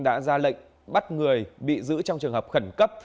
đã ra lệnh bắt người bị giữ trong trường hợp khẩn cấp